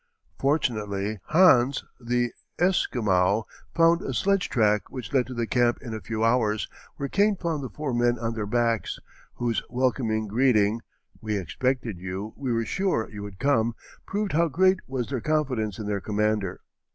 Fortunately Hans, the Esquimau, found a sledge track which led to the camp in a few hours, where Kane found the four men on their backs, whose welcome greeting, "We expected you: we were sure you would come," proved how great was their confidence in their commander.